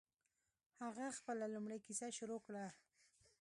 هغه خپله لومړۍ کیسه شروع کړه.